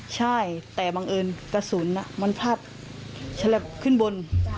ใช่แต่บังเอิญกระสุนมันพลาดฉลับขึ้นบน